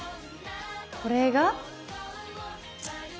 これが！